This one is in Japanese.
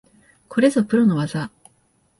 これぞプロの技